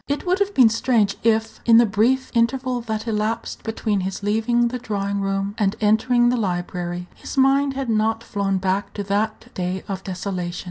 It would have been strange if, in the brief interval that elapsed between his leaving the drawing room and entering the library, his mind had not flown back to that day of desolation.